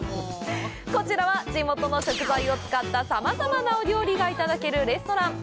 こちらは、地元の食材を使ったさまざまなお料理がいただけるレストラン。